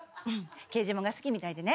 刑事ものが好きみたいでね